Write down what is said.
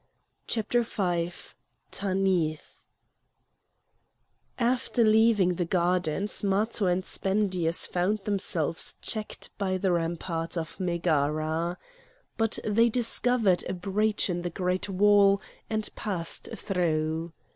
CHAPTER V TANITH After leaving the gardens Matho and Spendius found themselves checked by the rampart of Megara. But they discovered a breach in the great wall and passed through.